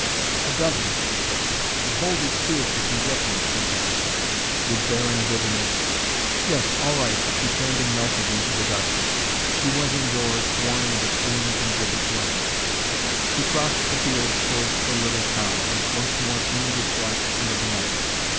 "A dozen," she said. "And holders too, if you can get them," she added, with barren bitterness. "Yes all right," he turned and melted into the darkness. She went indoors, worn with a strange and bitter flame. He crossed the fields towards the little town, which once more fumed its lights under the night.